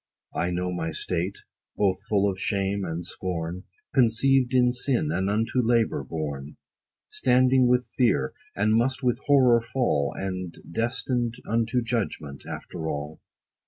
I know my state, both full of shame and scorn, Conceived in sin, and unto labor born, Standing with fear, and must with horror fall, And destined unto judgment, after all.